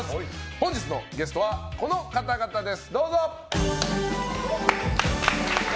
本日のゲストはこの方々です！